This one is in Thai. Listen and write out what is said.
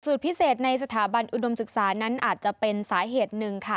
พิเศษในสถาบันอุดมศึกษานั้นอาจจะเป็นสาเหตุหนึ่งค่ะ